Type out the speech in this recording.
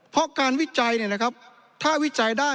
เพราะการวิจัยถ้าวิจัยได้